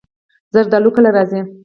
زردالو کله راځي؟